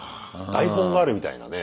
台本があるみたいなね。